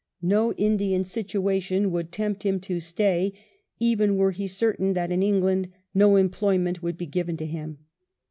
No Indian situation would tempt him to stay, even were he certain that in England no employment would be given to him.